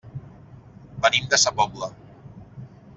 Venim de sa Pobla.